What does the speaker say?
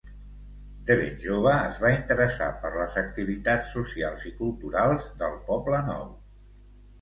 De ben jove es va interessar per les activitats socials i culturals del Poblenou.